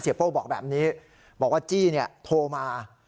เสียโป้บอกแบบนี้บอกว่าจี้เนี่ยโทรมา